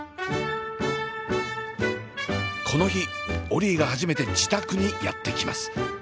この日オリィが初めて自宅にやって来ます。